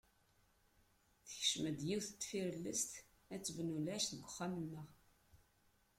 Tekcem-d yiwet n tfirellest ad tebnu lɛecc deg uxxam-nneɣ.